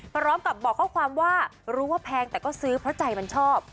พร้อมกับบอกข้อความว่ารู้ว่าแพงแต่ก็ซื้อเพราะใจมันชอบ